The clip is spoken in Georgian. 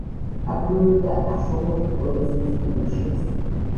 აგროვებდა აშუღური პოეზიის ნიმუშებს.